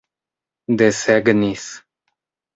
desegnis